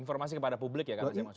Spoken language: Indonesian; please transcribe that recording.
informasi kepada publik ya